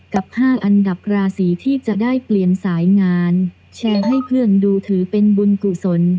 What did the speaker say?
กับ๕อันดับราศีที่จะได้เปลี่ยนสายงานแชร์ให้เพื่อนดูถือเป็นบุญกุศล